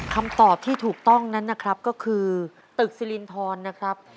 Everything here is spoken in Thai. คำตอบที่ถูกต้องนั้นก็คือตึกซิรินทร์นนะครับ